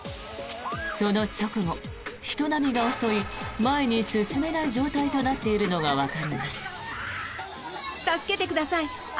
その直後、人波が襲い前に進めない状態となっているのがわかります。